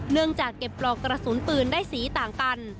จากเก็บปลอกกระสุนปืนได้สีต่างกัน